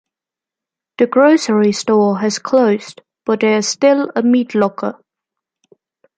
The grocery store has closed, but there is still a meat locker.